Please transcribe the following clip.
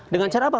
dengan cara apa